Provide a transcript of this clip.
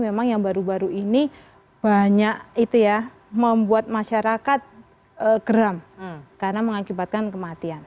karena memang yang baru baru ini banyak itu ya membuat masyarakat geram karena mengakibatkan kematian